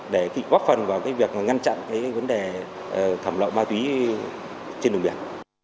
để kịp góp phần vào việc ngăn chặn vấn đề thảm lậu ma túy trên đường biển